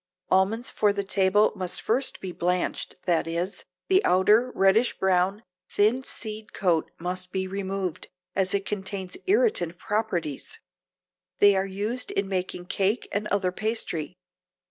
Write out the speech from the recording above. Almonds for the table must first be "blanched," that is, the outer, reddish brown, thin seed coat must be removed, as it contains irritant properties. They are used in making cake and other pastry.